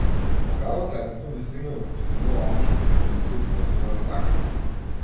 Во градот јавното мислење го постигнува она што често му се измолкнува на законот.